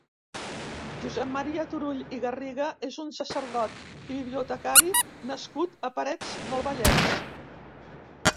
Josep Maria Turull i Garriga és un sacerdot i bibliotecari nascut a Parets del Vallès.